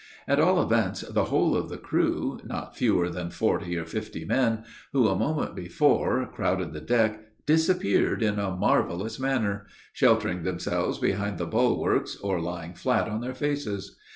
At all events, the whole of the crew, not fewer than forty or fifty men, who, a moment before, crowded the deck, disappeared in a marvellous manner; sheltering themselves behind the bulwarks, or lying flat on their faces.